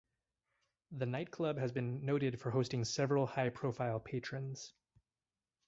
The night club has been noted for hosting several high profile patrons.